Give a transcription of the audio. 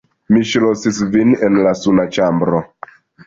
Mi ŝlosis vin en la suna ĉambro!